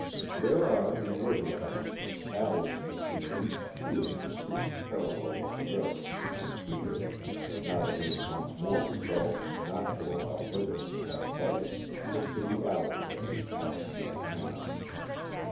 There are, in Riverbank, alleys between each two of the streets parallel with the river, and Peter, now that he had once more resolved not to allow Briggles to have Buddy, took to the alleys as he passed through the town.